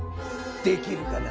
できるかな？